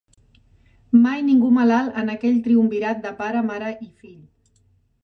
Mai ningú malalt en aquell triunvirat de pare, mare i fill